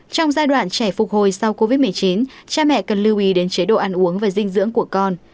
trong giai đoạn trẻ phục hồi sau covid một mươi chín cha mẹ cần lưu ý đến chế độ ăn uống và dinh dưỡng của con